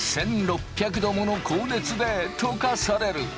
１，６００℃もの高熱で溶かされる。